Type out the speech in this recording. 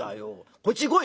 こっちへ来い！」。